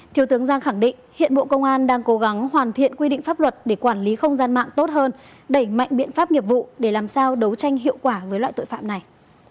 thiếu tướng giang khẳng định hiện bộ công an đang cố gắng hoàn thiện quy định pháp luật để quản lý không gian mạng tốt hơn đẩy mạnh biện pháp nghiệp vụ để làm sao đấu tranh hiệu quả với loại tội phạm này